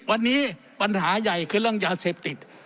วันนี้ปัญหาใหญ่คือเรื่องยาเสพติด